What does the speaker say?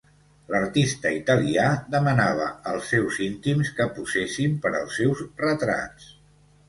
L'artista italià demanava als seus íntims que posessin per als seus retrats.